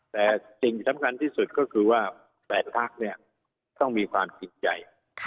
แต่สิ่งที่สำคัญที่สุดก็คือว่า๘พักเนี่ยต้องมีความจริงใจ